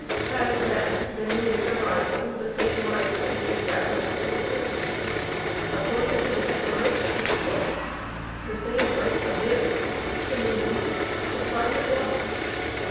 Has, then, the newest arrival the same rights as the established citizen? According to the Declaration, yes; the same right to live, to move, to try his luck.